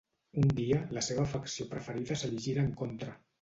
Un dia, la seva afecció preferida se li gira en contra.